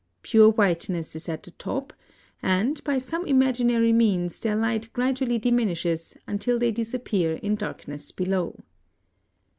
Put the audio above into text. Pure whiteness is at the top, and, by some imaginary means their light gradually diminishes until they disappear in darkness below.